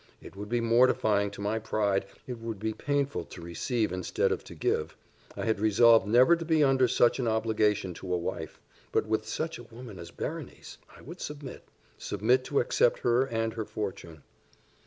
It would be mortifying to my pride it would be painful to receive instead of to give I had resolved never to be under such an obligation to a wife; but with such a woman as Berenice! I would submit submit to accept her and her fortune.